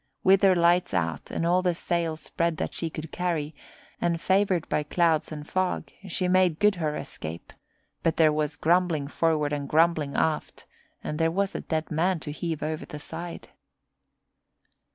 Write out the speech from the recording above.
With her lights out and all the sail spread that she could carry, and favoured by clouds and fog, she made good her escape; but there was grumbling forward and grumbling aft, and there was a dead man to heave over the side.